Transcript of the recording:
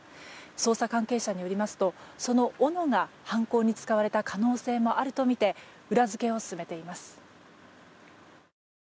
捜査関係者によりますとそのおのが犯行に使われた可能性もあるとみて裏付けを進めています。